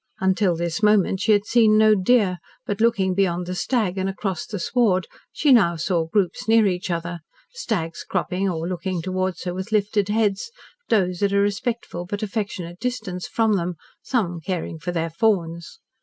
Until this moment she had seen no deer, but looking beyond the stag and across the sward she now saw groups near each other, stags cropping or looking towards her with lifted heads, does at a respectful but affectionate distance from them, some caring for their fawns.